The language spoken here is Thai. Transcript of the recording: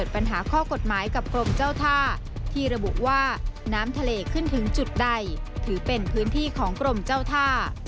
เป็นพื้นที่ของกรมเจ้าท่า